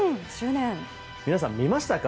皆さん、見ましたか。